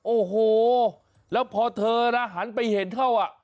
โอ้โหแล้วพอเธอนะหันไปเห็นเข้าอ่ะ